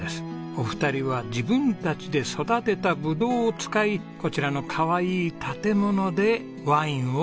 お二人は自分たちで育てたブドウを使いこちらのかわいい建物でワインを醸造してるんです。